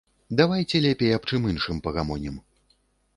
Давайце лепей аб чым іншым пагамонім.